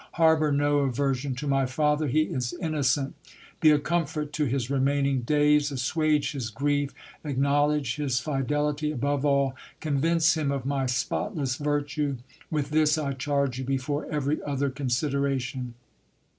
Harbour no aversion to my father ; he is innocent. Be a com fort to his remaining days ; assuage his grief ; acknowledge his fidelity. Above all, convince him of my spotless virtue. With this I charge you, before every other consideration.